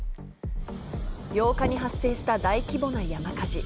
８日に発生した大規模な山火事。